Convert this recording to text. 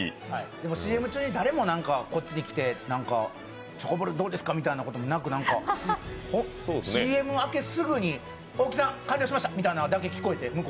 でもＣＭ中に、誰もこっち来て、チョコボールどうですかみたいなこともなく、ＣＭ明けすぐに「大木さん、完了しました」みたいなのだけ聞こえて。